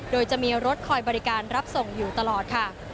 โดยจะมีรถคอยบริการรับส่งอยู่ตลอดค่ะ